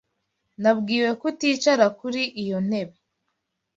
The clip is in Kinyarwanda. Nabwiwe kuticara kuri iyo ntebe.